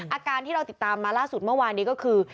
อาการที่เราติดตามมาล่าสุดเมื่อวานนี้ก็คือ